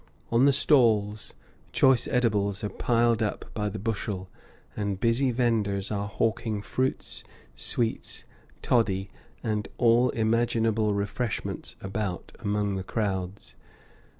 On the stalls, choice edibles are piled up by the bushel, and busy venders are hawking fruits, sweets, toddy, and all imaginable refreshments about among the crowds.